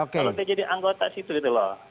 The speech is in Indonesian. kalau dia jadi anggota situ gitu loh